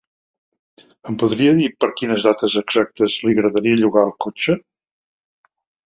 Em podria dir per quines dates exactes li agradaria llogar el cotxe?